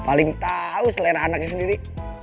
paling tahu selera anaknya sendiri